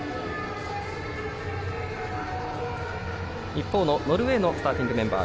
一方のノルウェーのスターティングメンバー。